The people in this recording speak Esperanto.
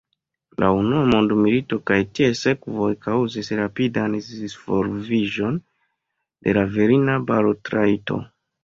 La unua mondmilito kaj ties sekvoj kaŭzis rapidan disvolviĝon de la virina balotrajto.